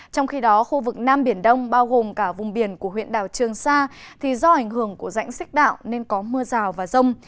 trong khi đó khu vực nam biển đông bao gồm cả vùng biển của huyện đảo trường sa do ảnh hưởng của rãnh xích đạo nên có mưa rào và rông